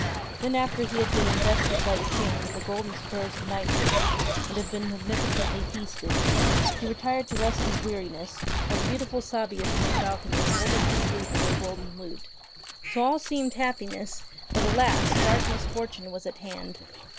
Then, after he had been invested by the King with the golden spurs of knighthood and had been magnificently feasted, he retired to rest his weariness, while the beautiful Sabia from her balcony lulled him to sleep with her golden lute. 8 ENGLISH FAIRY TALES So all seemed happiness ; but alas ! dark misfortune was at hand.